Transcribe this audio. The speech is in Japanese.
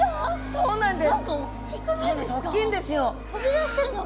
そうなんです。